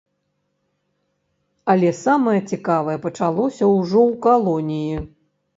Але самае цікавае пачалося ўжо ў калоніі.